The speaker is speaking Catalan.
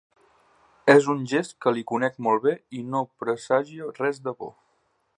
És un gest que li conec molt bé i no presagia res de bo.